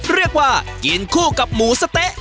เรียกว่ากินคู่กับหมูสะเต๊ะ